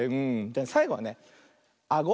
さいごはねあご。